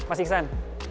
baik mas iksan